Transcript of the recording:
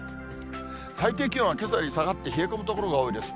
最低気温はけさより下がって、冷え込む所が多いです。